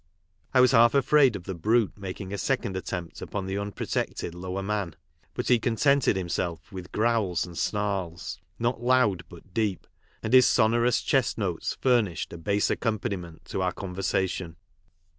I was half afraid of the brute making a second attempt upon the unprotected lower man, but he contented himself with growls and snarls, not loud but deep, and his sonorous chest notes furnished a bass accompaniment to our conversation.